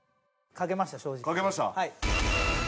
描けました？